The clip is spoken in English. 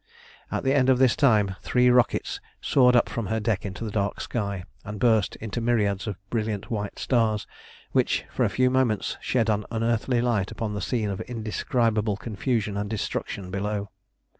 At the end of this time three rockets soared up from her deck into the dark sky, and burst into myriads of brilliant white stars, which for a few moments shed an unearthly light upon the scene of indescribable confusion and destruction below.